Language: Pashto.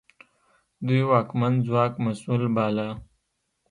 دوی واکمن ځواک مسوول باله.